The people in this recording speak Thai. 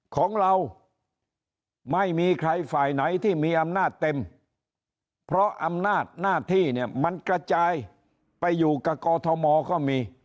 ของเราไม่มีใครฝ่ายไหนที่มีอำนาจเต็มเพราะอำนาจหน้าที่เนี่ยมันกระจายไปอยู่กับกอทมก็มี